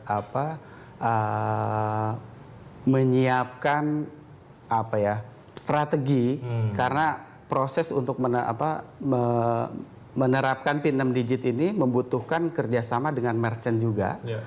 apa menyiapkan strategi karena proses untuk menerapkan pinnem digit ini membutuhkan kerjasama dengan merchant juga